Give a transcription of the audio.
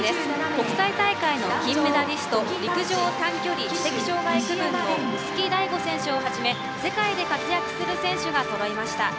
国際大会の金メダリスト陸上・短距離知的障害区分の臼木大悟選手をはじめ世界で活躍する選手がそろいました。